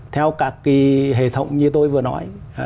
theo các cái hệ thống như tôi vừa nói